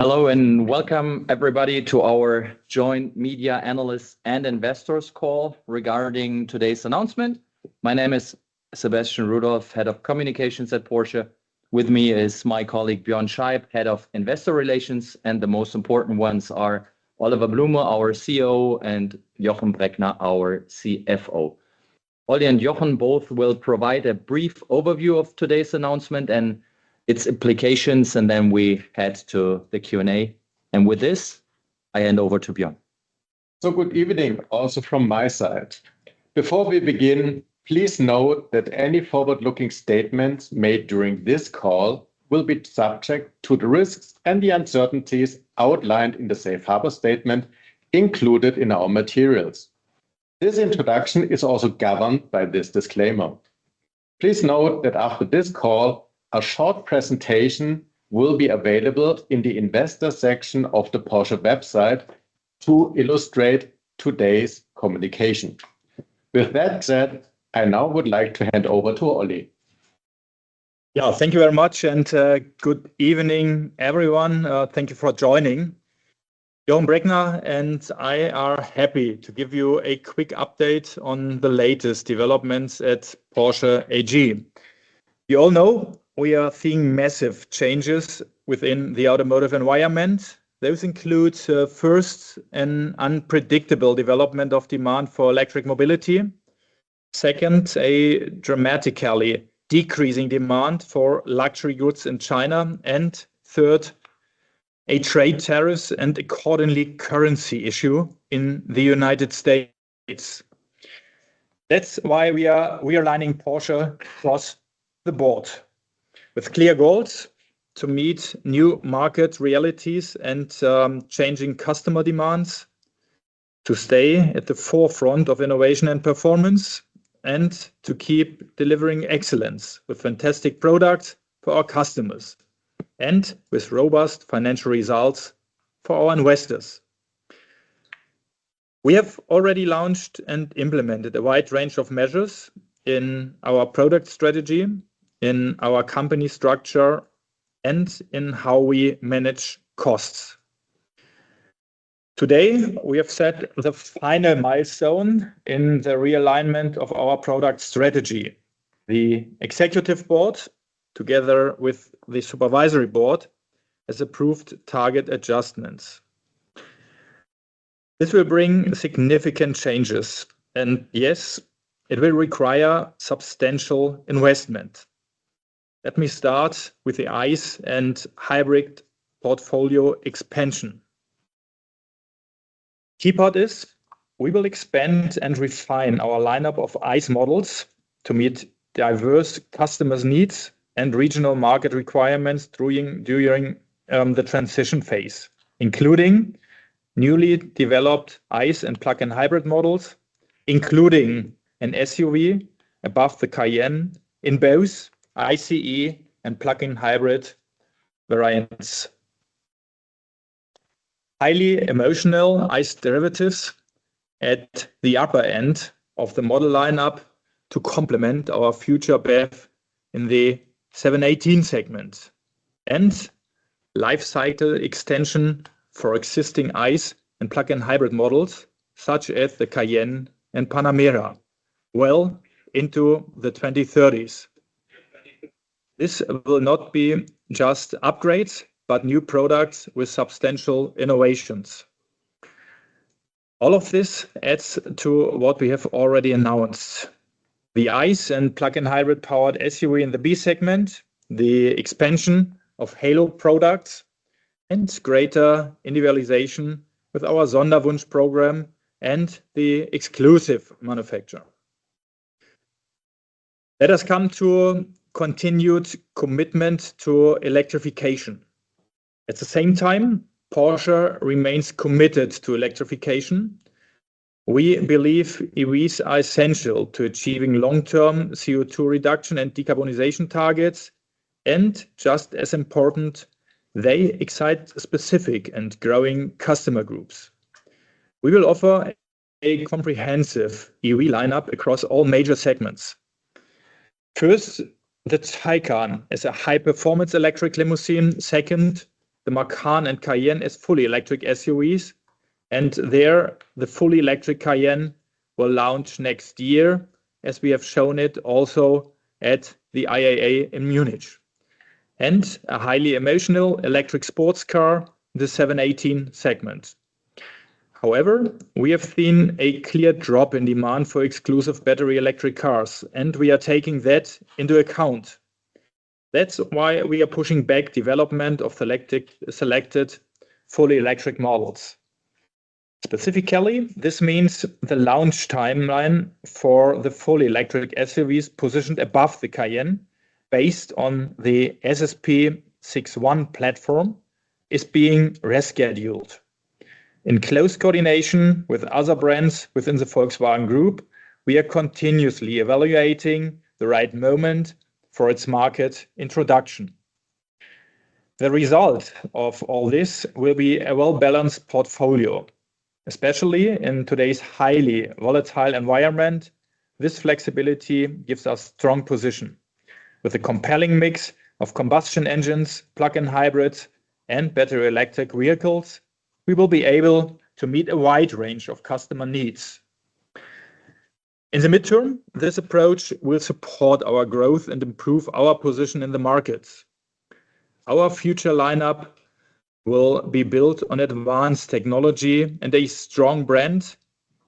Hello and welcome, everybody, to our joint media analysts and investors call regarding today's announcement. My name is Sebastian Rudolph, Head of Communications at Porsche. With me is my colleague Björn Scheib, Head of Investor Relations. The most important ones are Oliver Blume, our CEO, and Jochen Breckner, our CFO. Oliver and Jochen both will provide a brief overview of today's announcement and its implications, then we head to the Q&A. With this, I hand over to Björn. Good evening also from my side. Before we begin, please note that any forward-looking statements made during this call will be subject to the risks and the uncertainties outlined in the safe harbor statement included in our materials. This introduction is also governed by this disclaimer. Please note that after this call, a short presentation will be available in the investor section of the Porsche website to illustrate today's communications. With that said, I now would like to hand over to Olli. Thank you very much, and good evening, everyone. Thank you for joining. Jochen Breckner and I are happy to give you a quick update on the latest developments at Porsche AG. You all know we are seeing massive changes within the automotive environment. Those include, first, an unpredictable development of demand for electric mobility, second, a dramatically decreasing demand for luxury goods in China, and third, a trade tariffs and accordingly currency issue in the United States. That is why we are aligning Porsche across the board with clear goals to meet new market realities and changing customer demands, to stay at the forefront of innovation and performance, and to keep delivering excellence with fantastic products for our customers and with robust financial results for our investors. We have already launched and implemented a wide range of measures in our product strategy, in our company structure, and in how we manage costs. Today, we have set the final milestone in the realignment of our product strategy. The Executive Board, together with the Supervisory Board, has approved target adjustments. This will bring significant changes, and yes, it will require substantial investment. Let me start with the ICE and hybrid portfolio expansion. Key part is we will expand and refine our lineup of ICE models to meet diverse customers' needs and regional market requirements during the transition phase, including newly developed ICE and plug-in hybrid models, including an SUV above the Cayenne in both ICE and plug-in hybrid variants. Highly emotional ICE derivatives at the upper end of the model lineup to complement our future bet in the 718 segment and lifecycle extension for existing ICE and plug-in hybrid models such as the Cayenne and Panamera well into the 2030s. This will not be just upgrades, but new products with substantial innovations. All of this adds to what we have already announced: the ICE and plug-in hybrid powered SUV in the B segment, the expansion of Halo products, and greater individualization with our Sonderwunsch program and the Exclusive Manufacturer. Let us come to continued commitment to electrification. At the same time, Porsche remains committed to electrification. We believe EVs are essential to achieving long-term CO2 reduction and decarbonization targets, and just as important, they excite specific and growing customer groups. We will offer a comprehensive EV lineup across all major segments. First, the Taycan is a high-performance electric limousine. Second, the Macan and Cayenne are fully electric SUVs, and there, the fully electric Cayenne will launch next year, as we have shown it also at the IAA in Munich. A highly emotional electric sports car, the 718 segment. However, we have seen a clear drop in demand for exclusive battery electric cars, and we are taking that into account. That's why we are pushing back development of selected fully electric models. Specifically, this means the launch timeline for the fully electric SUVs positioned above the Cayenne, based on the SSP 6.1 platform, is being rescheduled. In close coordination with other brands within the Volkswagen Group, we are continuously evaluating the right moment for its market introduction. The result of all this will be a well-balanced portfolio. Especially in today's highly volatile environment, this flexibility gives us a strong position. With a compelling mix of combustion engines, plug-in hybrids, and battery electric vehicles, we will be able to meet a wide range of customer needs. In the midterm, this approach will support our growth and improve our position in the markets. Our future lineup will be built on advanced technology and a strong brand,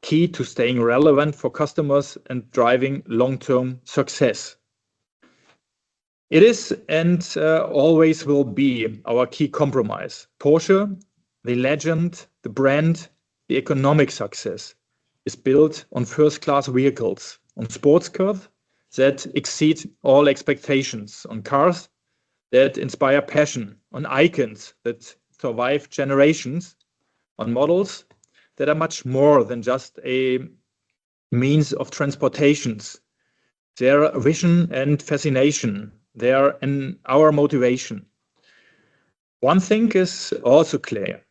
key to staying relevant for customers and driving long-term success. It is and always will be our key compromise. Porsche, the legend, the brand, the economic success is built on first-class vehicles, on sports cars that exceed all expectations, on cars that inspire passion, on icons that survive generations, on models that are much more than just a means of transportation. They are a vision and fascination. They are our motivation. One thing is also clear: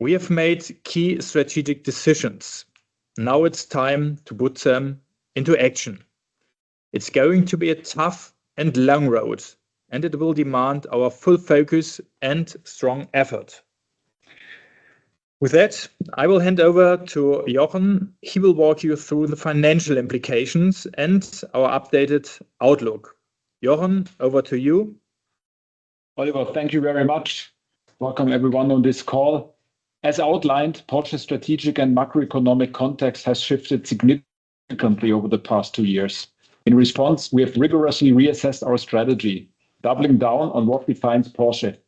we have made key strategic decisions. Now it's time to put them into action. It's going to be a tough and long road, and it will demand our full focus and strong effort. With that, I will hand over to Jochen. He will walk you through the financial implications and our updated outlook. Jochen, over to you. Oliver, thank you very much. Welcome, everyone, on this call. As outlined, Porsche's strategic and macroeconomic context has shifted significantly over the past two years. In response, we have rigorously reassessed our strategy, doubling down on what defines Porsche: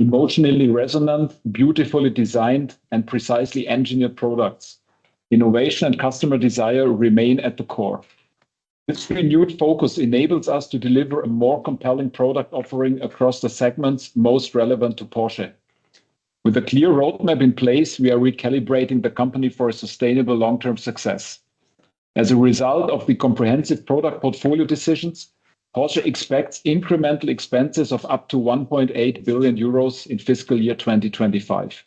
emotionally resonant, beautifully designed, and precisely engineered products. Innovation and customer desire remain at the core. This renewed focus enables us to deliver a more compelling product offering across the segments most relevant to Porsche. With a clear roadmap in place, we are recalibrating the company for a sustainable long-term success. As a result of the comprehensive product portfolio decisions, Porsche expects incremental expenses of up to 1.8 billion euros in fiscal year 2025.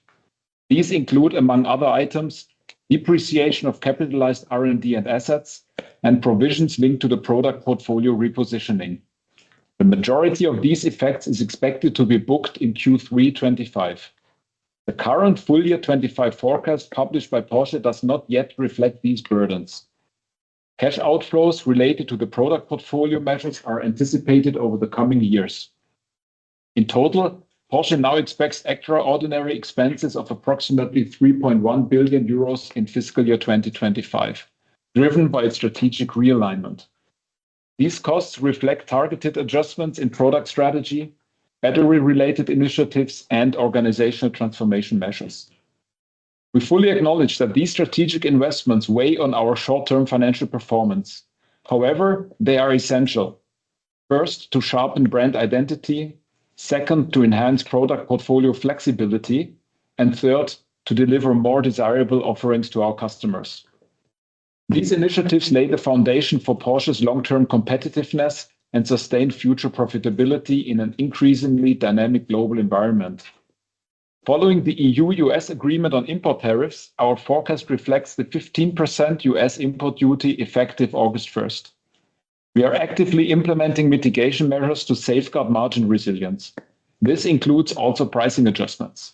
These include, among other items, depreciation of capitalized R&D and assets, and provisions linked to the product portfolio repositioning. The majority of these effects is expected to be booked in Q3 2025. The current full year 2025 forecast published by Porsche does not yet reflect these burdens. Cash outflows related to the product portfolio measures are anticipated over the coming years. In total, Porsche now expects extraordinary expenses of approximately 3.1 billion euros in fiscal year 2025, driven by its strategic realignment. These costs reflect targeted adjustments in product strategy, battery-related initiatives, and organizational transformation measures. We fully acknowledge that these strategic investments weigh on our short-term financial performance. However, they are essential: first, to sharpen brand identity; second, to enhance product portfolio flexibility; and third, to deliver more desirable offerings to our customers. These initiatives lay the foundation for Porsche's long-term competitiveness and sustained future profitability in an increasingly dynamic global environment. Following the EU-U.S. agreement on import tariffs, our forecast reflects the 15% U.S. import duty effective August 1st. We are actively implementing mitigation measures to safeguard margin resilience. This includes also pricing adjustments.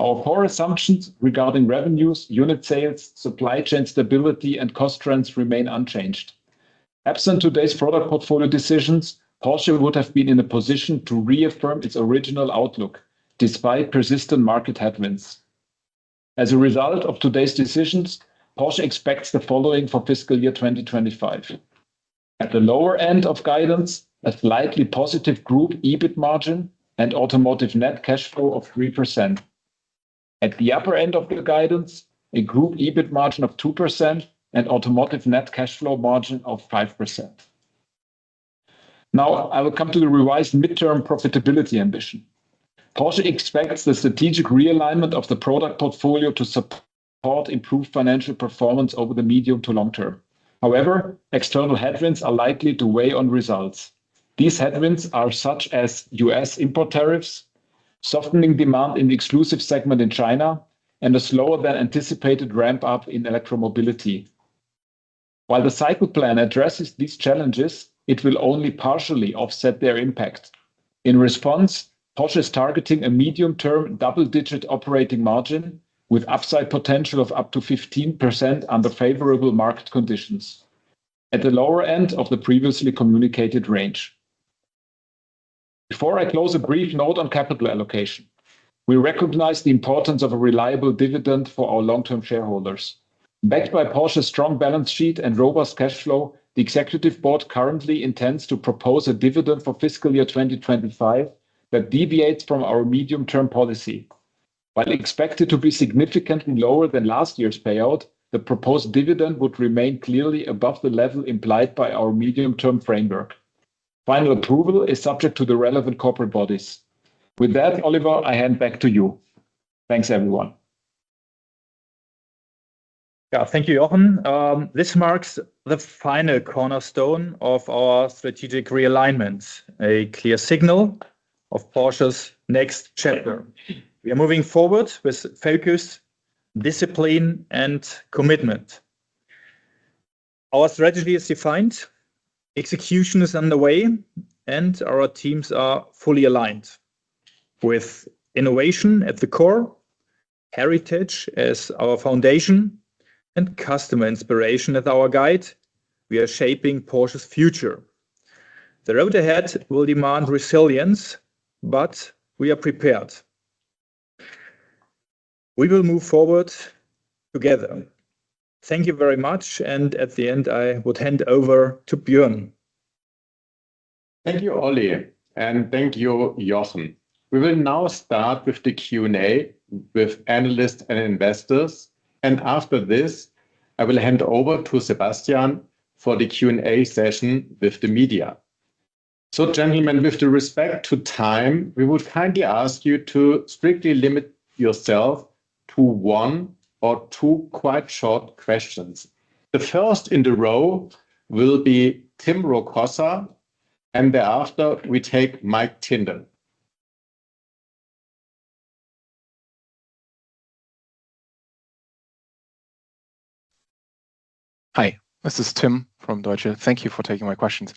Our core assumptions regarding revenues, unit sales, supply chain stability, and cost trends remain unchanged. Absent today's product portfolio decisions, Porsche would have been in a position to reaffirm its original outlook despite persistent market headwinds. As a result of today's decisions, Porsche expects the following for fiscal year 2025: at the lower end of guidance, a slightly positive group EBIT margin and automotive net cash flow of 3%. At the upper end of the guidance, a group EBIT margin of 2% and automotive net cash flow margin of 5%. Now, I will come to the revised midterm profitability ambition. Porsche expects the strategic realignment of the product portfolio to support improved financial performance over the medium to long term. However, external headwinds are likely to weigh on results. These headwinds are such as U.S. import tariffs, softening demand in the exclusive segment in China, and a slower than anticipated ramp-up in electro-mobility. While the cycle plan addresses these challenges, it will only partially offset their impact. In response, Porsche is targeting a medium-term double-digit operating margin with upside potential of up to 15% under favorable market conditions, at the lower end of the previously communicated range. Before I close, a brief note on capital allocation. We recognize the importance of a reliable dividend for our long-term shareholders. Backed by Porsche's strong balance sheet and robust cash flow, the Executive Board currently intends to propose a dividend for fiscal year 2025 that deviates from our medium-term policy. While expected to be significantly lower than last year's payout, the proposed dividend would remain clearly above the level implied by our medium-term framework. Final approval is subject to the relevant corporate bodies. With that, Oliver, I hand back to you. Thanks, everyone. Thank you, Jochen. This marks the final cornerstone of our strategic realignment, a clear signal of Porsche's next chapter. We are moving forward with focus, discipline, and commitment. Our strategy is defined, execution is underway, and our teams are fully aligned. With innovation at the core, heritage as our foundation, and customer inspiration as our guide, we are shaping Porsche's future. The road ahead will demand resilience, but we are prepared. We will move forward together. Thank you very much, and at the end, I would hand over to Björn. Thank you, Olli, and thank you, Jochen. We will now start with the Q&A with analysts and investors, and after this, I will hand over to Sebastian for the Q&A session with the media. Gentlemen, with respect to time, we would kindly ask you to strictly limit yourself to one or two quite short questions. The first in the row will be Tim Rokossa, and thereafter we take Mike Tinder. Hi, this is Tim from Deutsche. Thank you for taking my questions.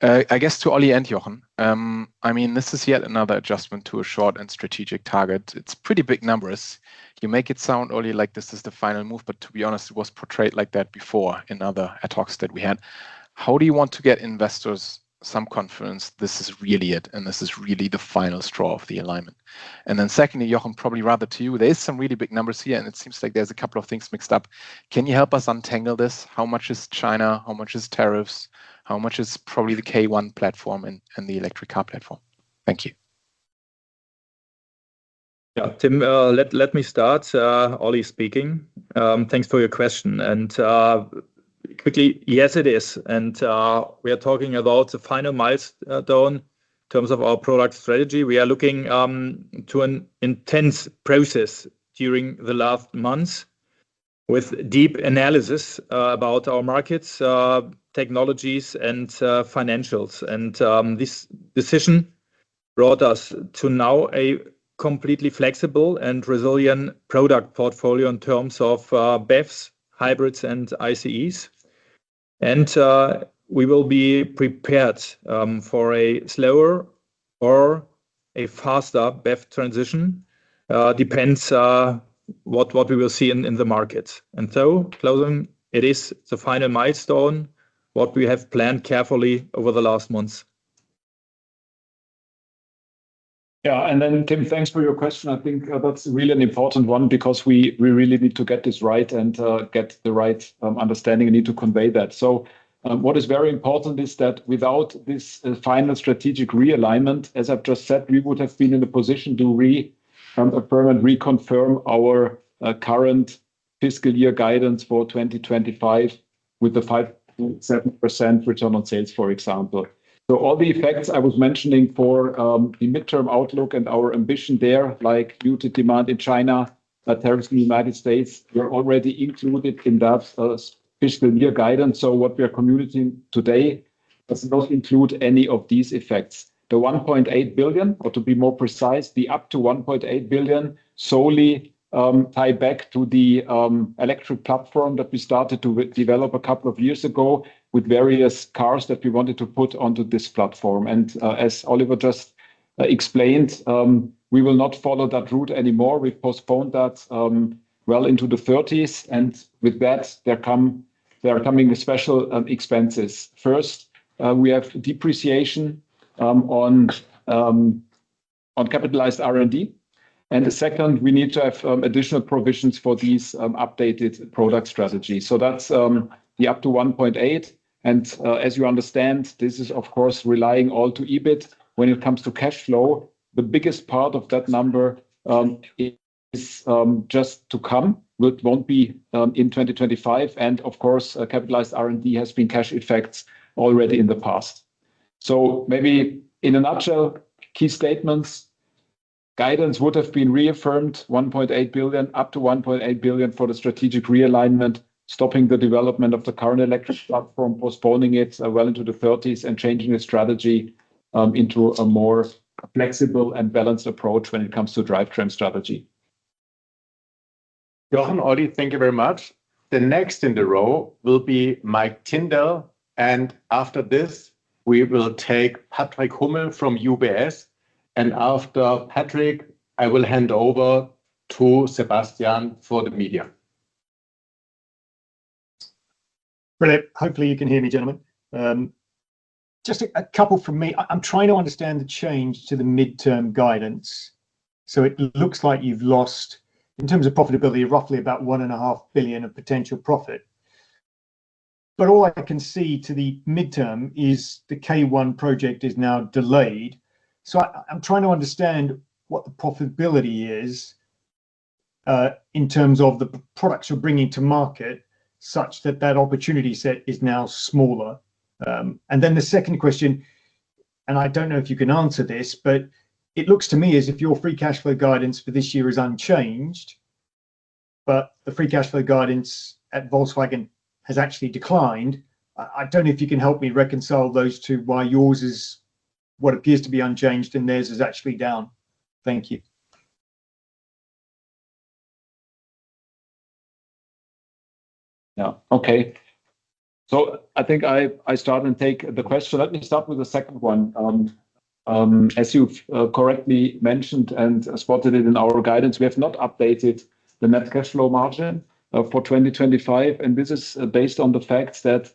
I guess to Olli and Jochen, I mean, this is yet another adjustment to a short and strategic target. It's pretty big numbers. You make it sound, Olli, like this is the final move, but to be honest, it was portrayed like that before in other talks that we had. How do you want to get investors some confidence this is really it and this is really the final straw of the alignment? Secondly, Jochen, probably rather to you, there are some really big numbers here and it seems like there's a couple of things mixed up. Can you help us untangle this? How much is China? How much is tariffs? How much is probably the K1 platform and the electric-car platform? Thank you. Yeah, Tim, let me start. Olli speaking. Thanks for your question. Yes, it is. We are talking about the final milestone in terms of our product strategy. We are looking to an intense process during the last months with deep analysis about our markets, technologies, and financials. This decision brought us to now a completely flexible and resilient product portfolio in terms of BEVs, hybrids, and ICEs. We will be prepared for a slower or a faster BEV transition. It depends on what we will see in the markets. Closing, it is the final milestone, what we have planned carefully over the last months. Yeah, Tim, thanks for your question. I think that's really an important one because we really need to get this right and get the right understanding. We need to convey that. What is very important is that without this final strategic realignment, as I've just said, we would have been in a position to reaffirm and reconfirm our current fiscal year guidance for 2025 with the 5.7% return on sales, for example. All the effects I was mentioning for the midterm outlook and our ambition there, like muted demand in China, tariffs in the U.S., were already included in that fiscal year guidance. What we are communicating today does not include any of these effects. The 1.8 billion, or to be more precise, the up to 1.8 billion solely ties back to the electric platform that we started to develop a couple of years ago with various cars that we wanted to put onto this platform. As Oliver just explained, we will not follow that route anymore. We postponed that well into the 2030s. With that, there are coming special expenses. First, we have depreciation on capitalized R&D. Second, we need to have additional provisions for these updated product strategies. That's the up to 1.8 billion. As you understand, this is, of course, relying all to EBIT. When it comes to cash flow, the biggest part of that number is just to come. It won't be in 2025. Of course, capitalized R&D has been cash effects already in the past. Maybe in a nutshell, key statements: guidance would have been reaffirmed, 1.8 billion, up to 1.8 billion for the strategic realignment, stopping the development of the current electric platform, postponing it well into the 2030s, and changing the strategy into a more flexible and balanced approach when it comes to drivetrain strategy. Jochen, Olli, thank you very much. The next in the row will be Mike Tinder. After this, we will take Patrick Hummel from UBS. After Patrick, I will hand over to Sebastian for the media. Hopefully, you can hear me, gentlemen. Just a couple from me. I'm trying to understand the change to the midterm guidance. It looks like you've lost, in terms of profitability, roughly about 1.5 billion of potential profit. All I can see to the midterm is the K1 project is now delayed. I'm trying to understand what the profitability is in terms of the products you're bringing to market, such that that opportunity set is now smaller. The second question, and I don't know if you can answer this, it looks to me as if your free cash flow guidance for this year is unchanged, but the free cash flow guidance at Volkswagen has actually declined. I don't know if you can help me reconcile those two, why yours is what appears to be unchanged and theirs is actually down. Thank you. Yeah, OK. I think I start and take the question. Let me start with the second one. As you've correctly mentioned and spotted it in our guidance, we have not updated the automotive net cash flow margin for 2025. This is based on the fact that,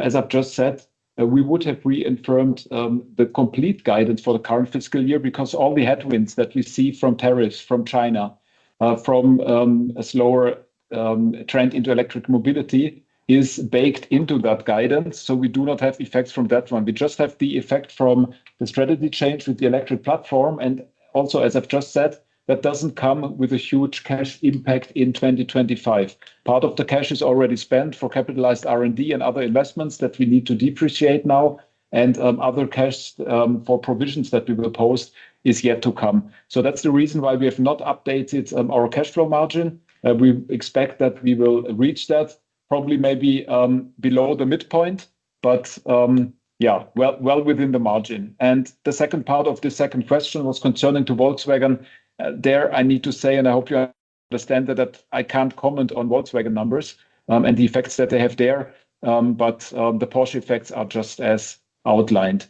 as I've just said, we would have reaffirmed the complete guidance for the current fiscal year because all the headwinds that we see from tariffs, from China, from a slower trend into electric mobility are baked into that guidance. We do not have effects from that one. We just have the effect from the strategy change with the electric platform. Also, as I've just said, that doesn't come with a huge cash impact in 2025. Part of the cash is already spent for capitalized R&D and other investments that we need to depreciate now. Other cash for provisions that we will post is yet to come. That's the reason why we have not updated our cash flow margin. We expect that we will reach that probably maybe below the midpoint, but yeah, well within the margin. The second part of the second question was concerning Volkswagen. There, I need to say, and I hope you understand that I can't comment on Volkswagen numbers and the effects that they have there, but the Porsche effects are just as outlined.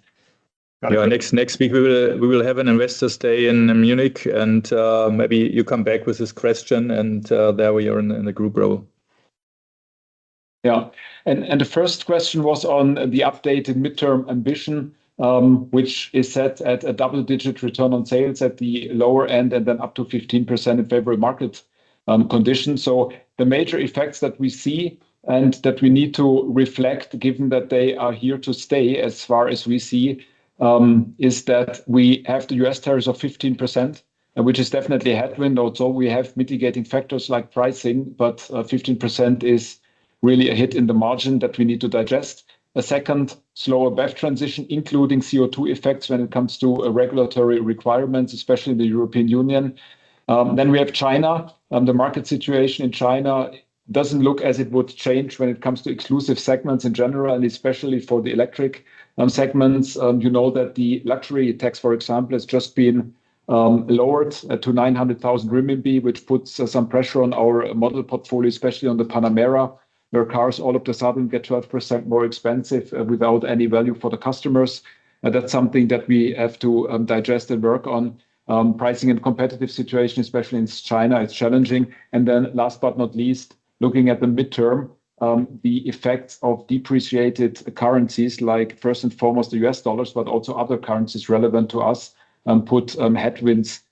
Yeah, next week we will have an investor's day in Munich. Maybe you come back with this question, and there we are in the group row. Yeah, and the first question was on the updated midterm ambition, which is set at a double-digit return on sales at the lower end and then up to 15% in favorable market conditions. The major effects that we see and that we need to reflect, given that they are here to stay as far as we see, are that we have the U.S. tariffs of 15%, which is definitely a headwind. We have mitigating factors like pricing, but 15% is really a hit in the margin that we need to digest. A second slower BEV transition, including CO2 effects when it comes to regulatory requirements, especially in the European Union. We have China. The market situation in China doesn't look as it would change when it comes to exclusive segments in general, and especially for the electric segments. You know that the luxury tax, for example, has just been lowered to 900,000 RMB, which puts some pressure on our model portfolio, especially on the Panamera, where cars all of a sudden get 12% more expensive without any value for the customers. That's something that we have to digest and work on. Pricing and competitive situation, especially in China, is challenging. Last but not least, looking at the midterm, the effects of depreciated currencies, like first and foremost the U.S. dollars, but also other currencies relevant to us, put headwinds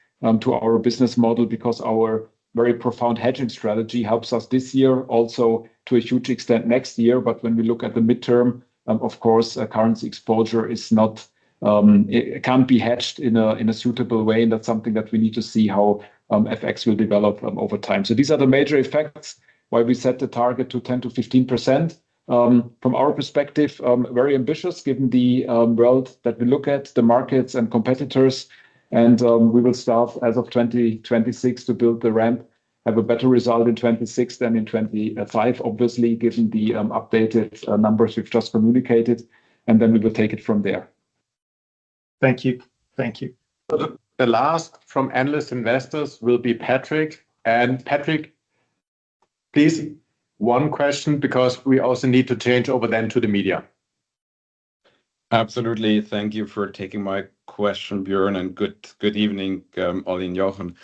to our business model because our very profound hedging strategy helps us this year, also to a huge extent next year. When we look at the midterm, of course, currency exposure can't be hedged in a suitable way, and that's something that we need to see how FX will develop over time. These are the major effects, why we set the target to 10%-15%. From our perspective, very ambitious given the world that we look at, the markets, and competitors. We will start as of 2026 to build the ramp, have a better result in 2026 than in 2025, obviously, given the updated numbers we've just communicated. We will take it from there. Thank you. Thank you. The last from analysts and investors will be Patrick. Patrick, please one question because we also need to change over then to the media. Absolutely. Thank you for taking my question, Björn, and good evening, Olli and Jochen.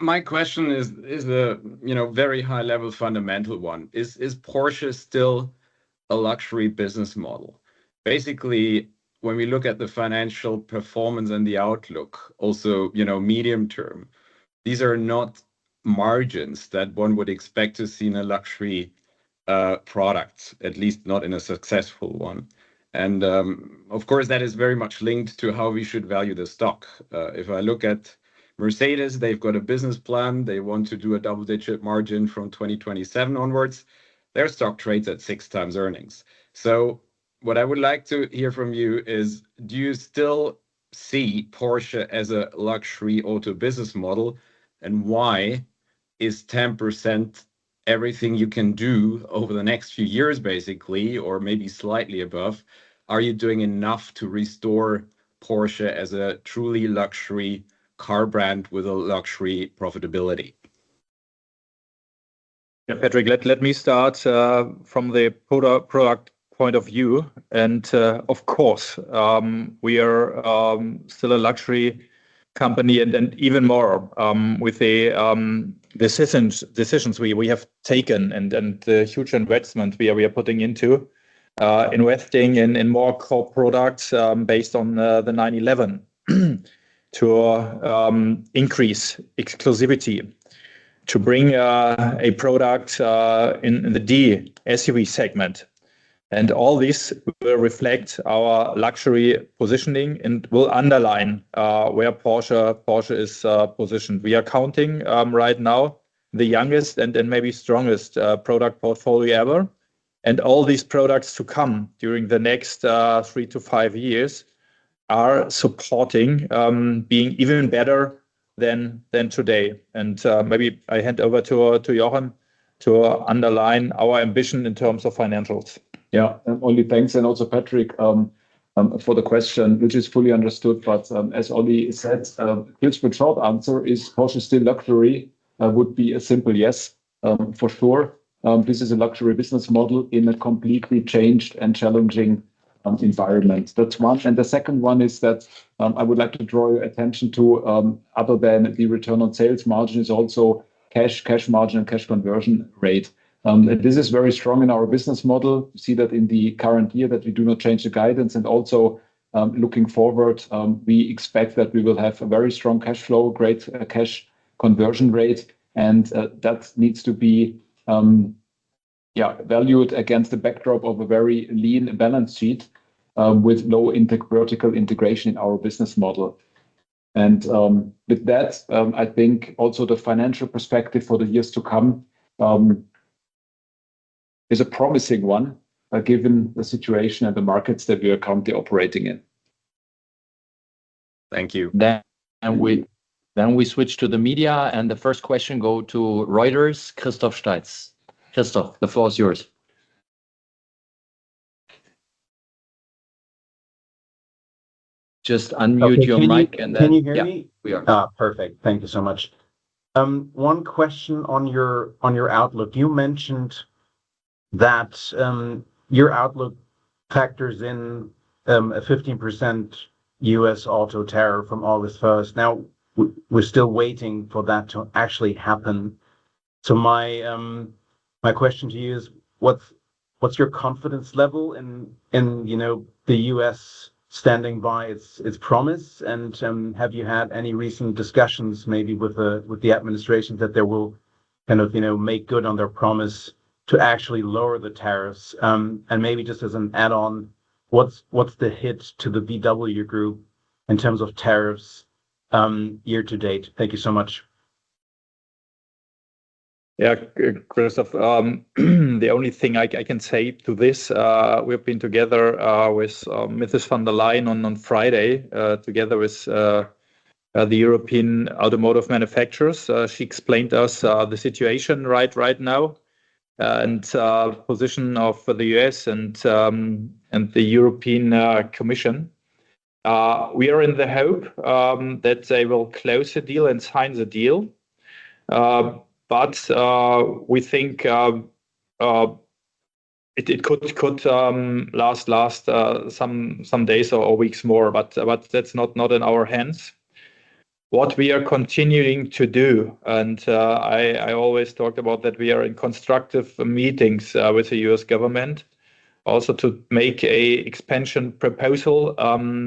My question is a very high-level fundamental one. Is Porsche still a luxury business model? Basically, when we look at the financial performance and the outlook, also medium term, these are not margins that one would expect to see in a luxury product, at least not in a successful one. That is very much linked to how we should value the stock. If I look at Mercedes, they've got a business plan. They want to do a double-digit margin from 2027 onwards. Their stock trades at 6x earnings. What I would like to hear from you is, do you still see Porsche as a luxury auto business model? Why is 10% everything you can do over the next few years, basically, or maybe slightly above? Are you doing enough to restore Porsche as a truly luxury car brand with a luxury profitability? Yeah, Patrick, let me start from the product point of view. Of course, we are still a luxury company and even more with the decisions we have taken and the huge investments we are putting into, investing in more core products based on the 911 to increase exclusivity, to bring a product in the SUV segment. All this will reflect our luxury positioning and will underline where Porsche is positioned. We are counting right now the youngest and maybe strongest product portfolio ever. All these products to come during the next three to five years are supporting being even better than today. Maybe I hand over to Jochen to underline our ambition in terms of financials. Yeah. Olli, thanks. Also Patrick for the question, which is fully understood. As Olli said, a short answer is Porsche still luxury would be a simple yes, for sure. This is a luxury business model in a completely changed and challenging environment. That's one. The second one is that I would like to draw your attention to, other than the return on sales margin, is also cash margin and cash conversion rate. This is very strong in our business model. You see that in the current year that we do not change the guidance. Also looking forward, we expect that we will have a very strong cash flow, great cash conversion rate. That needs to be valued against the backdrop of a very lean balance sheet with low vertical integration in our business model. With that, I think also the financial perspective for the years to come is a promising one given the situation and the markets that we are currently operating in. Thank you. We switch to the media. The first question goes to Reuters. Christoph Steitz, the floor is yours. Just unmute your mic. Can you hear me? Yeah, we are. Perfect. Thank you so much. One question on your outlook. You mentioned that your outlook factors in a 15% U.S. auto tariff from August 1st. Now, we're still waiting for that to actually happen. My question to you is, what's your confidence level in the U.S. standing by its promise? Have you had any recent discussions maybe with the administration that they will kind of make good on their promise to actually lower the tariffs? Maybe just as an add-on, what's the hit to the VW Group in terms of tariffs year-to-date? Thank you so much. Yeah, Christoph, the only thing I can say to this, we have been together with Mrs. von der Leyen on Friday together with the European automotive manufacturers. She explained to us the situation right now and the position of the U.S. and the European Commission. We are in the hope that they will close the deal and sign the deal. We think it could last some days or weeks more, but that's not in our hands. What we are continuing to do, and I always talk about that, we are in constructive meetings with the U.S. government also to make an expansion proposal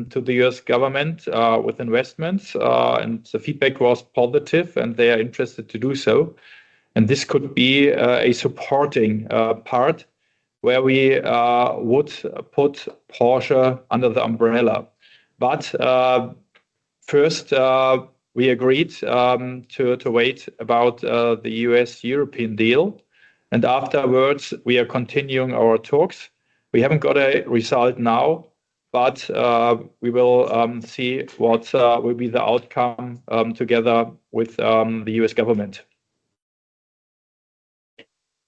to the U.S. government with investments. The feedback was positive, and they are interested to do so. This could be a supporting part where we would put Porsche under the umbrella. First, we agreed to wait about the U.S.-European deal. Afterwards, we are continuing our talks. We haven't got a result now, but we will see what will be the outcome together with the U.S. government.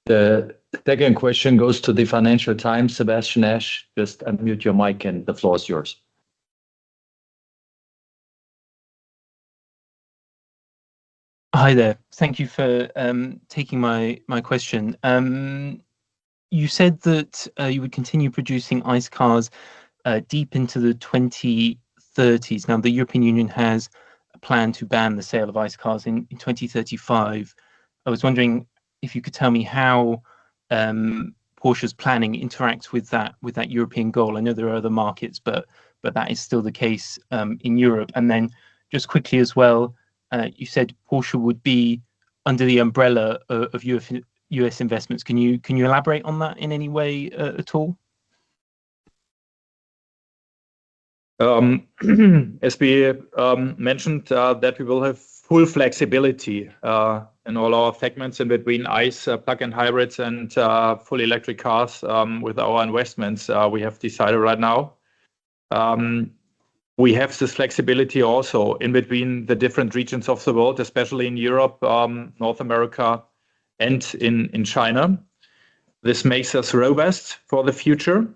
The second question goes to the Financial Times. Sebastian Ash, just unmute your mic and the floor is yours. Hi there. Thank you for taking my question. You said that you would continue producing ICE cars deep into the 2030s. Now, the European Union has a plan to ban the sale of ICE cars in 2035. I was wondering if you could tell me how Porsche's planning interacts with that European goal. I know there are other markets, but that is still the case in Europe. Just quickly as well, you said Porsche would be under the umbrella of U.S. investments. Can you elaborate on that in any way at all? As we mentioned, we will have full flexibility in all our segments in between internal combustion engine, plug-in hybrids, and fully electric cars with our investments we have decided right now. We have this flexibility also in between the different regions of the world, especially in Europe, North America, and in China. This makes us robust for the future,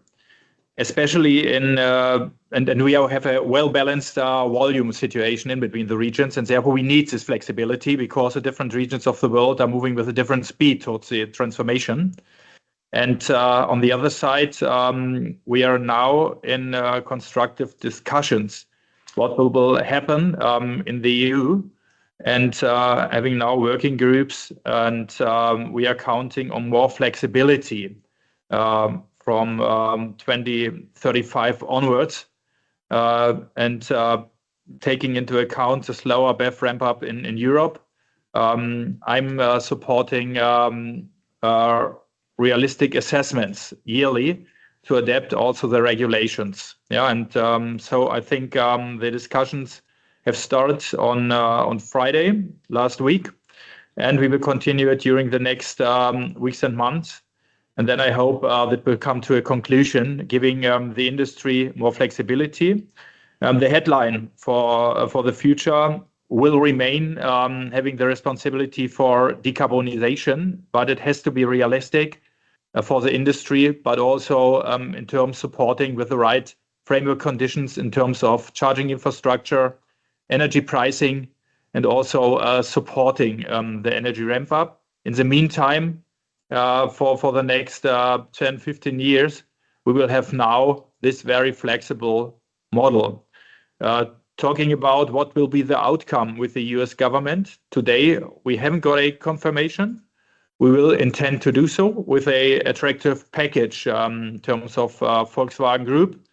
especially in, and we have a well-balanced volume situation in between the regions. Therefore, we need this flexibility because the different regions of the world are moving with a different speed towards the transformation. On the other side, we are now in constructive discussions about what will happen in the EU and having now working groups. We are counting on more flexibility from 2035 onwards and taking into account a slower BEV ramp-up in Europe. I'm supporting realistic assessments yearly to adapt also the regulations. I think the discussions have started on Friday last week, and we will continue it during the next weeks and months. I hope that we'll come to a conclusion giving the industry more flexibility. The headline for the future will remain having the responsibility for decarbonization, but it has to be realistic for the industry, also in terms of supporting with the right framework conditions in terms of charging infrastructure, energy pricing, and also supporting the energy ramp-up. In the meantime, for the next 10, 15 years, we will have now this very flexible model. Talking about what will be the outcome with the U.S. government, today, we haven't got a confirmation. We will intend to do so with an attractive package in terms of the Volkswagen Group.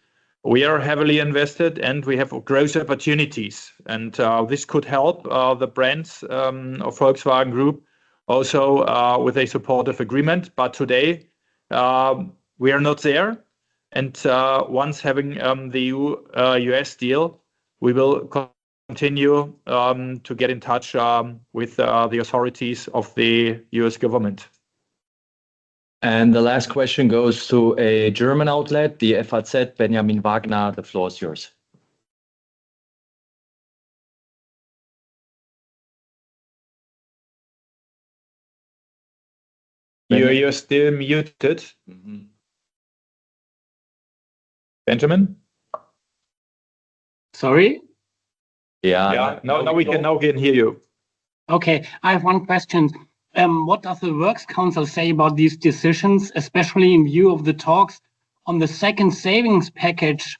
We are heavily invested, and we have growth opportunities. This could help the brands of Volkswagen Group also with a supportive agreement. Today, we are not there. Once having the U.S. deal, we will continue to get in touch with the authorities of the U.S. government. The last question goes to a German outlet, the FAZ, Benjamin Waganer. The floor is yours. You're still muted. Benjamin? Sorry? Yeah. Yeah, no, we can hear you. OK, I have one question. What does the Works Council say about these decisions, especially in view of the talks on the second savings package,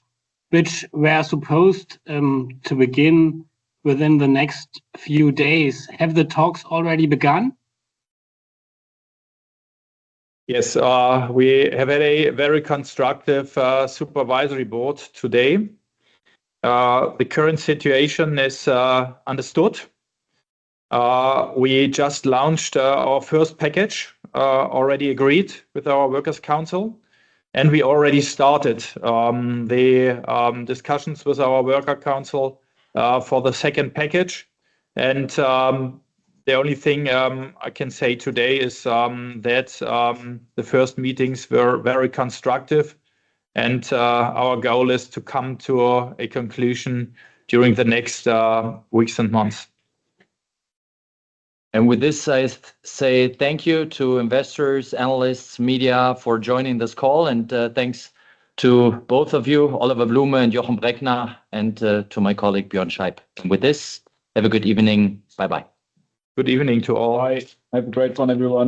which we are supposed to begin within the next few days? Have the talks already begun? Yes, we have had a very constructive Supervisory Board today. The current situation is understood. We just launched our first package, already agreed with our Works Council, and we already started the discussions with our Works Council for the second package. The only thing I can say today is that the first meetings were very constructive, and our goal is to come to a conclusion during the next weeks and months. Thank you to investors, analysts, and media for joining this call. Thanks to both of you, Oliver Blume and Jochen Breckner, and to my colleague Björn Scheib. Have a good evening. Bye-bye. Good evening to all. Have a great one, everyone.